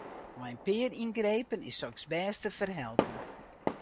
Mei in pear yngrepen is soks bêst te ferhelpen.